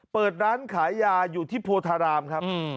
เปิดร้านขายยาอยู่ที่โพธารามครับ